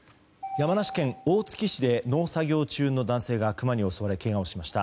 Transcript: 山梨県大月市で農作業中の男性がクマに襲われけがをしました。